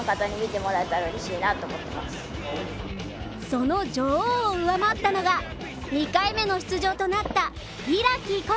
その女王を上回ったのが２回目の出場となった開心